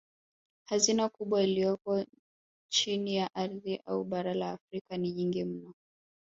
Hazina kubwa iliyopo chini ya ardhi ya bara la Afrika ni nyingi mno